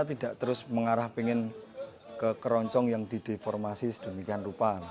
kita tidak terus mengarah pengen ke keroncong yang dideformasi sedemikian rupa